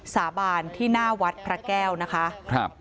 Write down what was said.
สาบานที่หน้าวัดพระแก้วนะคะครับ